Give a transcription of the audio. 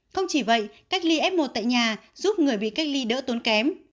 không chỉ vậy cách ly f một tại nhà giúp người bị cách ly đỡ tốn kém